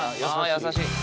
優しい！